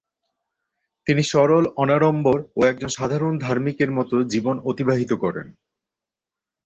তিনি সরল, অনাড়ম্বর ও একজন সাধারণ ধার্মিকের মতো জীবন অতিবাহিত করেন।